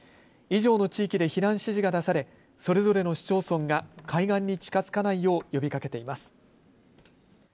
以上の地域で避難指示が出され、それぞれの市町村が海岸に近づかないよう呼びかけています。